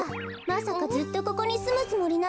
まさかずっとここにすむつもりなの？